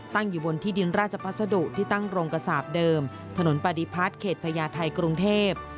ตั้งอยู่บนที่ดินราชพัสดุที่ตั้งโรงกระสาปเดิมถนนปฏิพัฒน์เขตพญาไทยกรุงเทพ